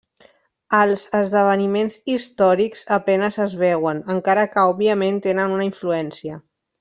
Els esdeveniments històrics a penes es veuen, encara que òbviament tenen una influència.